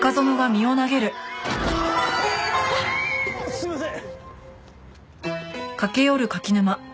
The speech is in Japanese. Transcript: すいません！